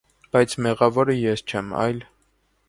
- Բայց մեղավորը ես չեմ, այլ…